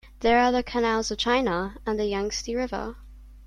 There are the canals of China, and the Yang-tse River.